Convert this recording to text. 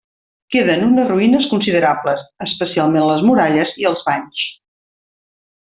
Queden unes ruïnes considerables, especialment les muralles i els banys.